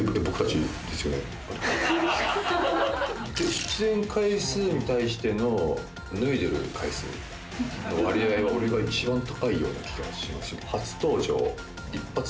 出演回数に対しての。の割合は俺が一番高いような気がします。